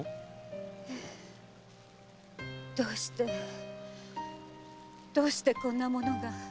ええ。どうしてどうしてこんなものが？